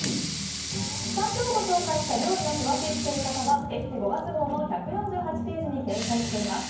今日ご紹介した料理の詳しい作り方は「ＥＳＳＥ」５月号の１４８ページに掲載しています。